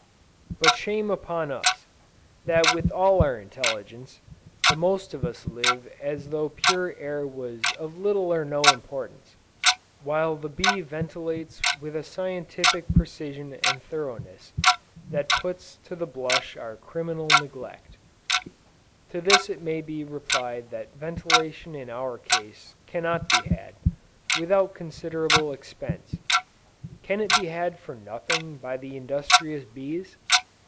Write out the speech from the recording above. But shame upon us! that with all our intelligence, the most of us live as though pure air was of little or no importance; while the bee ventilates with a scientific precision and thoroughness, that puts to the blush our criminal neglect. To this it may be replied that ventilation in our case, cannot be had, without considerable expense. Can it be had for nothing, by the industrious bees?